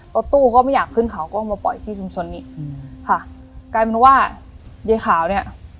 รถตู้ก็ไม่อยากขึ้นเขาก็มาปล่อยที่ชุมชนนี้อืมค่ะกลายเป็นว่ายายขาวเนี้ย